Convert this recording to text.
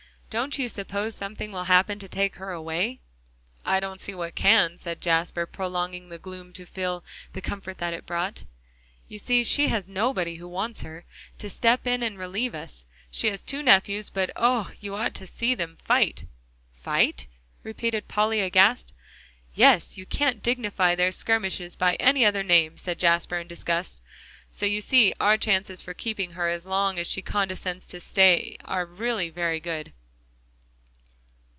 Don't you suppose something will happen to take her away?" "I don't see what can," said Jasper, prolonging the gloom to feel the comfort it brought. "You see she has nobody who wants her, to step in and relieve us. She has two nephews, but oh! you ought to see them fight!" "Fight?" repeated Polly aghast. "Yes; you can't dignify their skirmishes by any other name," said Jasper, in disgust. "So you see our chances for keeping her as long as she condescends to stay are really very good."